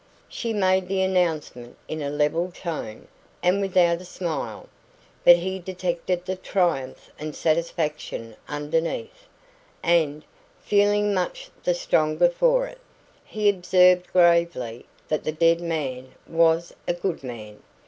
She made the announcement in a level tone, and without a smile, but he detected the triumph and satisfaction underneath; and, feeling much the stronger for it, he observed gravely that the dead man was a good man.